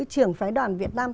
trưởng phái đoàn việt nam